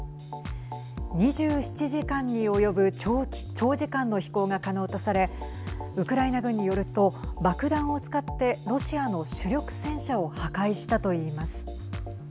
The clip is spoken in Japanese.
２７時間に及ぶ長時間の飛行が可能とされウクライナ軍によると爆弾を使ってロシアの主力戦車を破壊したといいます。